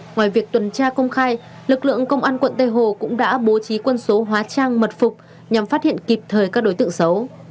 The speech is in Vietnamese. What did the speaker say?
ngoài việc tuần tra công khai lực lượng công an quận tây hồ cũng đã bố trí quân số hóa trang mật phục nhằm phát hiện kịp thời các đối tượng xấu